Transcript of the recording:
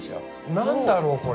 何だろうこれ。